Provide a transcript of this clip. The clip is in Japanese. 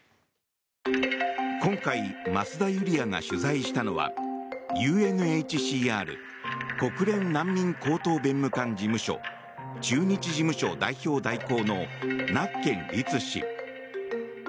今回増田ユリヤが取材したのはＵＮＨＣＲ・国連難民高等弁務官事務所駐日事務所代表代行のナッケン鯉都氏。